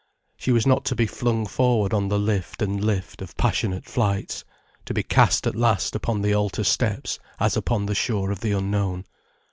She was not to be flung forward on the lift and lift of passionate flights, to be cast at last upon the altar steps as upon the shore of the unknown.